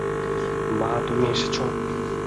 মা, তুমি এসেছো?